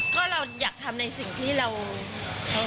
ก็เราอยากทำในสิ่งที่เรา